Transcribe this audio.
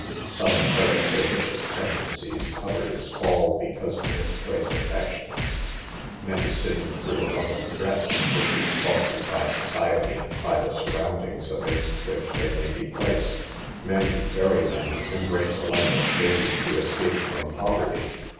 Some inherit their vicious tenden cies ; others fall because of misplaced affec tions ; many sin through a love of dress, which is fostered by society and by the surroundings amidst which they may be placed ; many, very many, embrace a life of shame to escape from poverty.